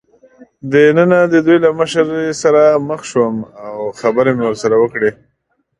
دننه د دوی له مشرې سره مخ شوم او خبرې مې ورسره وکړې.